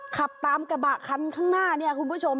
ขับตามกระบะคันข้างหน้าเนี่ยคุณผู้ชม